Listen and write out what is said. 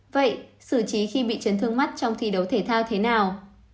vậy xử trí khi bị chấn thương mắt trong thi đấu thể thao thế nào